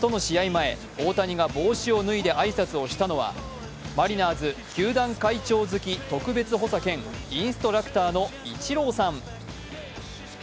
前、大谷が帽子を脱いで挨拶をしたのはマリナーズ球団会長付特別補佐兼インストラクターのイチローさん。